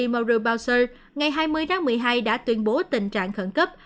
meryl bouser ngày hai mươi tháng một mươi hai đã tuyên bố tình trạng khẩn cấp